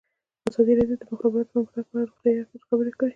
ازادي راډیو د د مخابراتو پرمختګ په اړه د روغتیایي اغېزو خبره کړې.